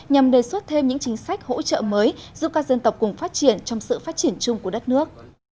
nhằm đề xuất thêm những chính sách hỗ trợ mới giúp các dân tộc cùng phát triển trong sự phát triển chung của đất nước